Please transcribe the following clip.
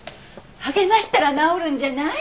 励ましたら直るんじゃない？